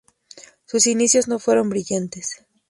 Sus inicios no fueron brillantes.